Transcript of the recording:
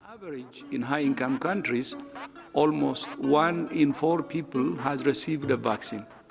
di negara negara yang tinggi hampir satu di empat orang telah menerima vaksin